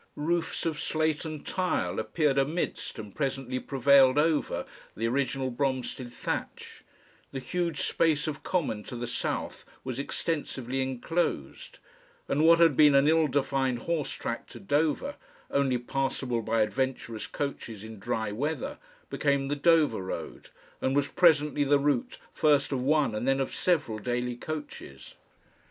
Roofs of slate and tile appeared amidst and presently prevailed over the original Bromstead thatch, the huge space of Common to the south was extensively enclosed, and what had been an ill defined horse track to Dover, only passable by adventurous coaches in dry weather, became the Dover Road, and was presently the route first of one and then of several daily coaches.